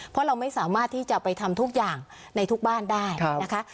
เพราะเราไม่สามารถที่จะไปทำทุกอย่างในทุกบ้านได้นะคะ